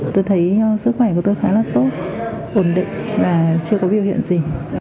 tôi thấy sức khỏe của tôi khá là tốt ổn định và chưa có biểu hiện gì